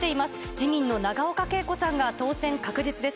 自民の永岡桂子さんが当選確実です。